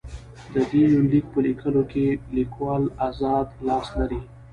د دې يونليک په ليکلوکې ليکوال اذاد لاس لري.